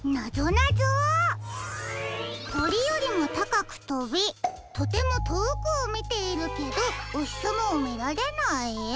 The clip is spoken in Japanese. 「とりよりもたかくとびとてもとおくをみているけどおひさまをみられない」？